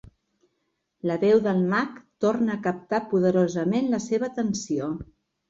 La veu del mag torna a captar poderosament la seva atenció.